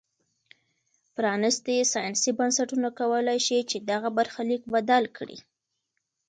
پرانیستي سیاسي بنسټونه کولای شي چې دغه برخلیک بدل کړي.